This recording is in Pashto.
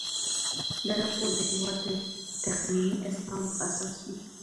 دا راپور د هیواد د تقنیني اسنادو په اساس وي.